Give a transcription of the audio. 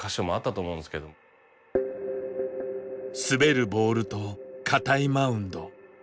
滑るボールと硬いマウンド